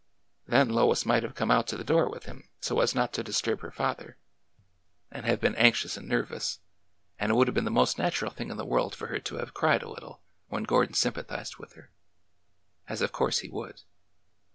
Then Lois might have come out to the door with him so as not to disturb her father, and have been anxious and nervous, and it would have been the most natural thing in the world for her to have cried a little when Gordon sympathized with her— as of course he would.